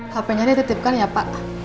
hpnya ditetipkan ya pak